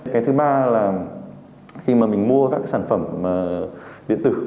cái thứ ba là khi mà mình mua các cái sản phẩm điện tử